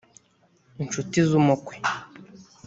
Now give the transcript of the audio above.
incuti z’umukwe